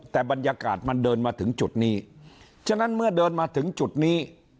แต่บรรยากาศมันเดินมาถึงจุดนี้ฉะนั้นเมื่อเดินมาถึงจุดนี้